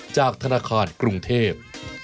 จากธนาคารกรุงเทพ